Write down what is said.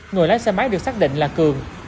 người lái xe máy được xác định là cường